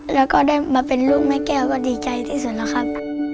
แล้วก็ได้มาเป็นลูกแม่แก้วก็ดีใจที่สุดแล้วครับ